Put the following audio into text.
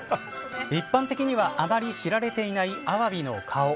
一般的にはあまり知られていないアワビの顔。